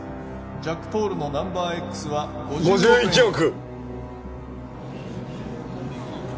ジャックポールの「ナンバーＸ」は５１億！